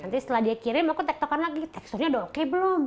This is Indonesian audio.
nanti setelah dia kirim aku tektokan lagi teksturnya udah oke belum